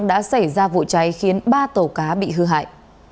đã xảy ra vụ cháy khiến ba tàu cá bị hư hại